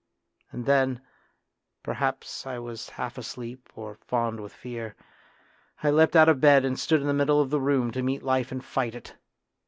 And then, perhaps I was half asleep or fond with fear, I leapt out of bed and stood in the middle of the room to meet life and fight it.